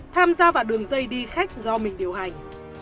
tham gia vào đường dây đi khách do mình điều hành